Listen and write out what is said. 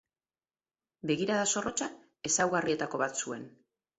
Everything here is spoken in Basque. Begirada zorrotza ezaugarrietako bat zuen.